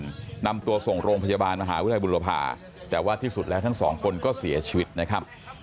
นำตัวส่งโรงพยาบาลมหาวิทยาลบุรพาแต่ว่าที่สุดแล้วทั้งสองคนก็เสียชีวิตนะครับ